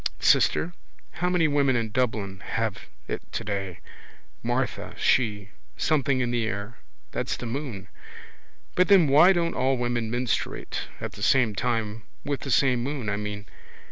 Sister? How many women in Dublin have it today? Martha, she. Something in the air. That's the moon. But then why don't all women menstruate at the same time with the same moon, I mean?